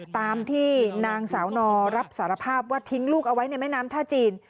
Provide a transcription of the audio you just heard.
ตามที่นางสาวนอรับสารภาพว่าทิ้งลูกเอาไว้ในแม่น้ำท่าจีน